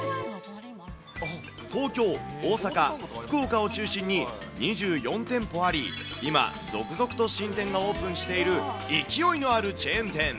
東京、大阪、福岡を中心に２４店舗あり、今、続々と新店がオープンしている勢いのあるチェーン店。